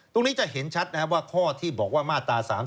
ตรงนี้จะเห็นชัดนะครับว่าข้อที่บอกว่ามาตรา๓๔